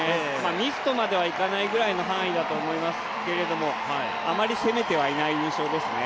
ミスとまではいかないぐらいの範囲だとは思いますけどもあまり攻めてはいない印象ですね。